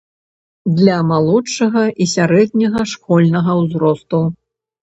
Для малодшага і сярэдняга школьнага ўзросту.